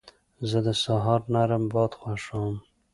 زه د سهار نرم باد خوښوم.